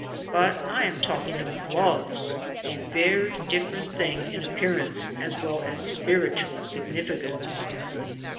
But I am talking of gloves, a very different thing in appearance as well as spiritual significance.